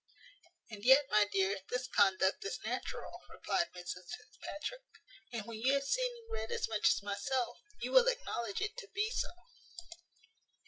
"And yet, my dear, this conduct is natural," replied Mrs Fitzpatrick; "and, when you have seen and read as much as myself, you will acknowledge it to be so."